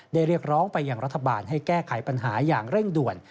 เรียกร้องไปอย่างรัฐบาลให้แก้ไขปัญหาอย่างเร่งด่วน